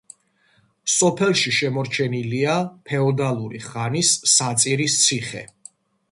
სოფელში შემორჩენილია ფეოდალური ხანის საწირის ციხე.